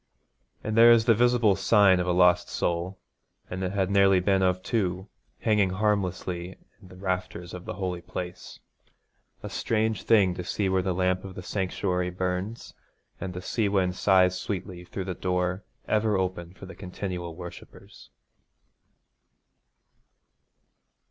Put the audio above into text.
And there is the visible sign of a lost soul, and it had nearly been of two, hanging harmlessly in the rafters of the holy place. A strange thing to see where the lamp of the sanctuary burns, and the sea wind sighs sweetly through the door ever open for the continual worshippers.